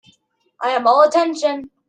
I am all attention.